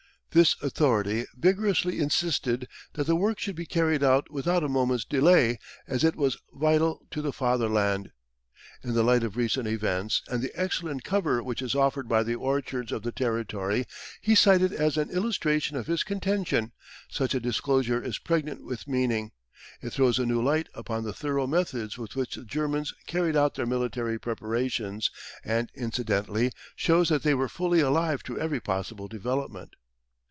This authority vigorously insisted that the work should be carried out without a moment's delay as it was vital to the Fatherland. In the light of recent events, and the excellent cover which is offered by the orchards of the territory he cited as an illustration of his contention, such a disclosure is pregnant with meaning. It throws a new light upon the thorough methods with which the Germans carried out their military preparations, and incidentally shows that they were fully alive to every possible development.